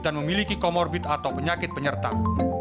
dan memiliki comorbid atau penyakit penyertaan